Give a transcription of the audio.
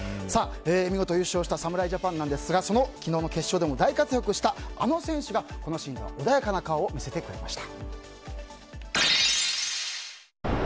見事優勝した侍ジャパンなんですが昨日の決勝でも大活躍したあの選手が穏やかな顔を見せてくれました。